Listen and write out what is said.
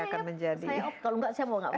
akan menjadi oh saya kalau enggak saya mau nggak